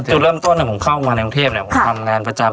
จุดเริ่มต้นนี่ผมเข้าอุหารกันที่ห้องเทพฯเนี่ยข้อแมงประจำ